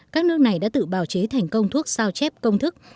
các nước này đã tự bào chế thành công thuốc sao chép công thức